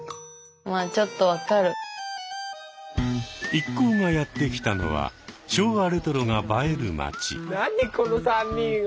一行がやって来たのは昭和レトロが映える街。